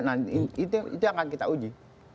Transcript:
nah itu yang akan kita uji